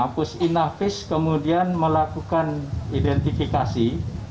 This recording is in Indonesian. pus inavis kemudian melakukan identifikasi